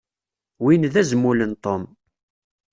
Win d azmul n Tom.